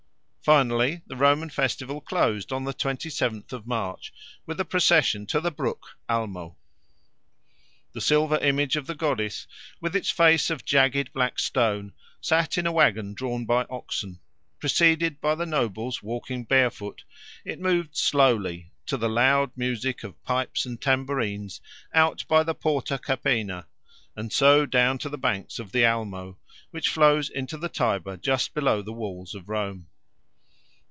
Finally, the Roman festival closed on the twenty seventh of March with a procession to the brook Almo. The silver image of the goddess, with its face of jagged black stone, sat in a waggon drawn by oxen. Preceded by the nobles walking barefoot, it moved slowly, to the loud music of pipes and tambourines, out by the Porta Capena, and so down to the banks of the Almo, which flows into the Tiber just below the walls of Rome.